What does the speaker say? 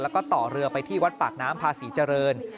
แล้วก็ต่อเรือไปที่วัดปากน้ำพาศรีเจริญ